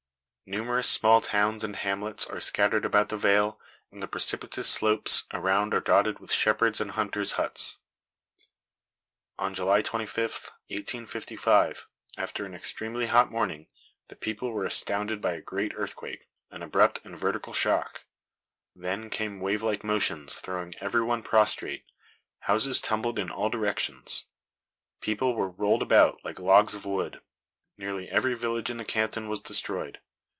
Numerous small towns and hamlets are scattered about the vale, and the precipitous slopes around are dotted with shepherds' and hunters' huts. On July 25, 1855, after an extremely hot morning, the people were astounded by a great earthquake an abrupt and vertical shock. Then came wave like motions throwing every one prostrate. Houses tumbled in all directions. People were rolled about like logs of wood. Nearly every village in the canton was destroyed.